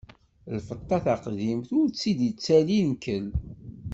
Lfeṭṭa taqdimt, ur tt-id-ittali nnkel.